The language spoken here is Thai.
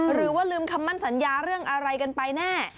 หรือว่าลืมคำมั่นสัญญาเรื่องอะไรกันไปแน่